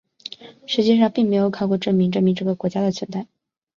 实际上并没有考古证据证明这个国家的存在。